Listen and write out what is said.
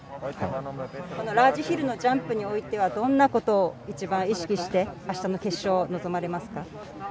ラージヒルのジャンプにおいてはどんなことを一番意識して、明日の決勝臨まれますか。